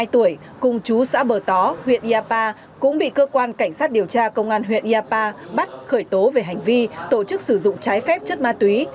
hai mươi tuổi cùng chú xã bờ tó huyện iapa cũng bị cơ quan cảnh sát điều tra công an huyện iapa bắt khởi tố về hành vi tổ chức sử dụng trái phép chất ma túy